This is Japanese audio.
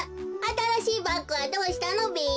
あたらしいバッグはどうしたのべ？